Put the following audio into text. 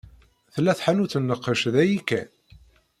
Tella tḥanut n lqec d ayi kan?